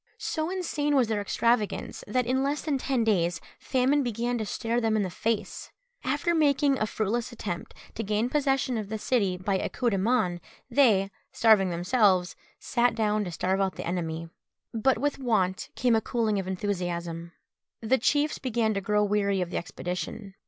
So insane was their extravagance, that in less than ten days famine began to stare them in the face. After making a fruitless attempt to gain possession of the city by a coup de main, they, starving themselves, sat down to starve out the enemy. But with want came a cooling of enthusiasm. The chiefs began to grow weary of the expedition.